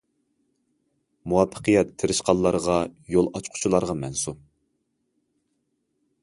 مۇۋەپپەقىيەت تىرىشقانلارغا، يول ئاچقۇچىلارغا مەنسۇپ!